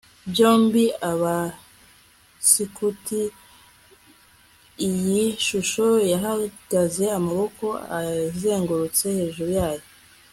byombi abaskuti. iyi shusho yahagaze amaboko azengurutse hejuru yayo